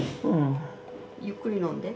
ゆっくり飲んで。